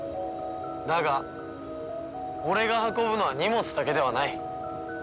だが俺が運ぶのは荷物だけではない。